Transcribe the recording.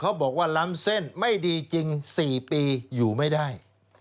บอกว่าล้ำเส้นไม่ดีจริง๔ปีอยู่ไม่ได้